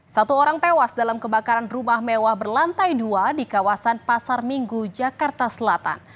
satu orang tewas dalam kebakaran rumah mewah berlantai dua di kawasan pasar minggu jakarta selatan